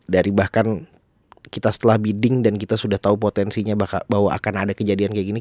dari bahkan kita setelah bidding dan kita sudah tahu potensinya bahwa akan ada kejadian kayak gini